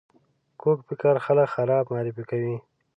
کوږ فکر خلک خراب معرفي کوي